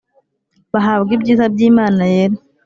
bahabwa ibyiza by'imana yera